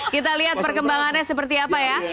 kita lihat perkembangannya seperti apa ya